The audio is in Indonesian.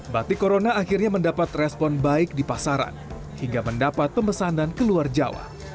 batik corona akhirnya mendapat respon baik di pasaran hingga mendapat pemesanan ke luar jawa